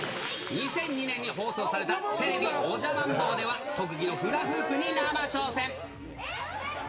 ２００２年に放送された、テレビおじゃマンボウでは、特技のフラフープに生挑戦。